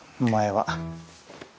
お前は。